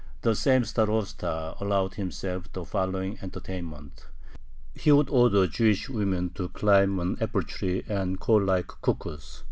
The same Starosta allowed himself the following "entertainment": he would order Jewish women to climb an apple tree and call like cuckoos.